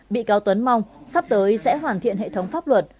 bị cáo tuấn mong sắp tới sẽ hoàn thiện hệ thống pháp luật